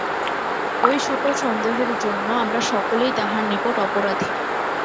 ঐ সকল সন্দেহের জন্য আমরা সকলেই তাঁহার নিকট অপরাধী।